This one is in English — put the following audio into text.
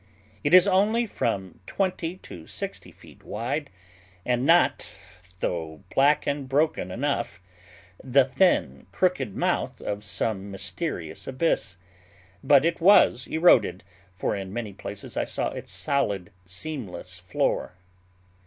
It is only from twenty to sixty feet wide, and not, though black and broken enough, the thin, crooked mouth of some mysterious abyss; but it was eroded, for in many places I saw its solid, seamless floor.